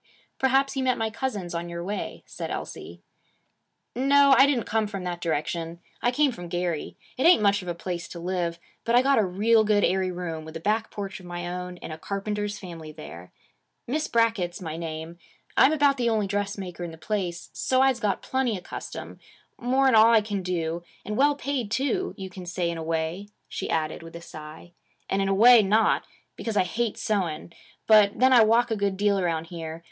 'Perhaps you met my cousins on your way,' said Elsie. 'No. I didn't come from that direction. I came from Gary. It ain't much of a place to live. But I got a real good airy room, with a back porch of my own, in a carpenter's family there. Miss Brackett's my name. I'm about the only dressmaker in the place, so's I get plenty of custom, more 'n all that I can do; and well paid, too, you can say in a way,' she added with a sigh; 'and in a way, not; because I hate sewing. But then I walk a good deal around here.